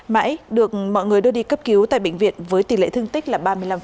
mãi được mọi người đưa đi cấp cứu tại bệnh viện với tỷ lệ thương tích là ba mươi năm